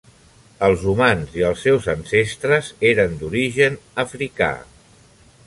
Els humans i els seus ancestres eren d'origen africà.